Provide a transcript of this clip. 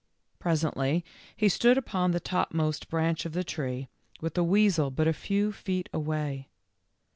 Presently he stood upon the topmost branch of the tree, with the weasel but a few feet away.